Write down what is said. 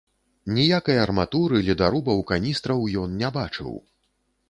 Ніякай арматуры, ледарубаў, каністраў ён не бачыў.